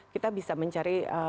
kita bisa mencari link